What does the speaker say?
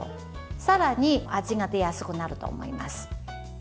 さらに味が出やすくなると思います。